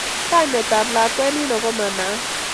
Kianetab lakwet nino koma naat